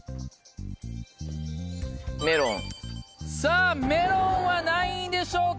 さぁメロンは何位でしょうか？